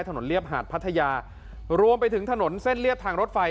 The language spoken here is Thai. เรียบหาดพัทยารวมไปถึงถนนเส้นเรียบทางรถไฟ